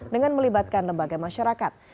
dengan melibatkan lembaga masyarakat